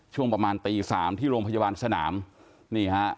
ช่วงประมาณตีสามที่โรงพยาบาลสนามนี่ฮะ